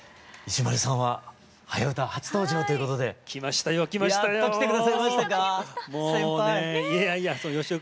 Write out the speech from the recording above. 石丸さんは「はやウタ」初登場ということで。来ましたよ来ましたよ。